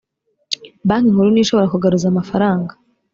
banki nkuru niyo ishobora kugaruza amafaranga